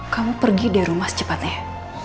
kamu pergi dari rumah secepatnya